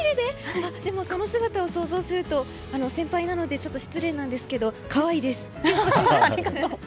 でも、その姿を想像すると先輩なのでちょっと失礼なんですけど可愛いです。